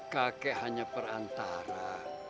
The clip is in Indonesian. kakek hanya perantara